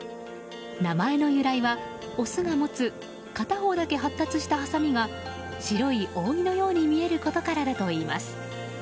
名前の由来は、オスが持つ片方だけ発達したハサミが白い扇のように見えることからだといいます。